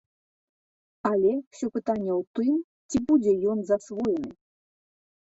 Але ўсё пытанне ў тым, ці будзе ён засвоены.